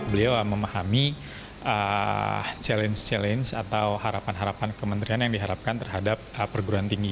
beliau memahami challenge challenge atau harapan harapan kementerian yang diharapkan terhadap perguruan tinggi